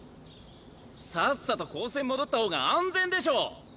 さっさと高専戻った方が安全でしょ！